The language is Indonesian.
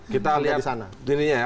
kita lihat di sana ya